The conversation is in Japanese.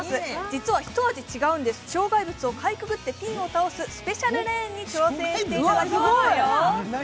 実は一味違うんです、障害物をかいくぐってピンを倒すスペシャルレーンに挑戦していただきますよ。